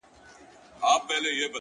زړه مي له رباب سره ياري کوي”